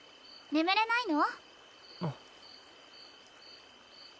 眠れないの？